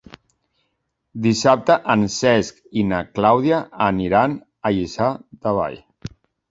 Dissabte en Cesc i na Clàudia aniran a Lliçà de Vall.